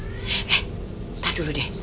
eh entar dulu deh